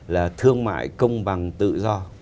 là thương mại công bằng tự do